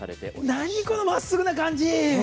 何このまっすぐな感じ！